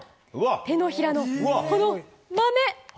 手のひらのこのまめ。